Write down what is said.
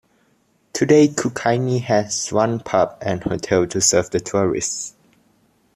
Today Kookynie has one pub and hotel to serve the tourists.